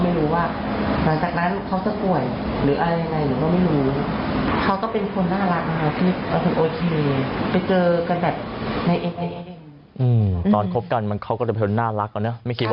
ไม่คิดว่าจะเป็นแบบนี้นะครับนะคะแต่อาจจะป่วยจริงด้วยเปล่าครับนะครับอืมค่ะ